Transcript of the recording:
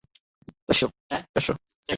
ওগো, শুনো।